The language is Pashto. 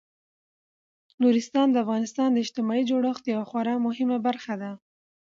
نورستان د افغانستان د اجتماعي جوړښت یوه خورا مهمه برخه ده.